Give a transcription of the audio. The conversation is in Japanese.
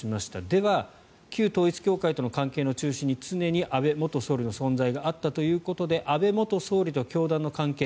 では、旧統一教会との関係の中心に常に安倍元総理の存在があったということで安倍元総理と教団の関係